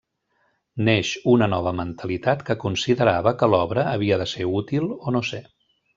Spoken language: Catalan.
Neix una nova mentalitat que considerava que l'obra havia de ser útil o no ser.